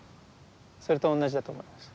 それと同じだと思います。